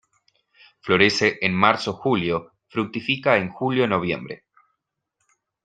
Florece en Mar-julio, fructifica en Julio-noviembre.